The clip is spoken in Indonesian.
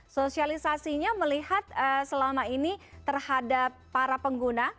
sosialisasinya melihat selama ini terhadap para pengguna